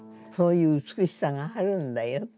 そういう美しさがあるんだよ